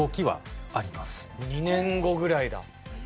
２年後ぐらいだ。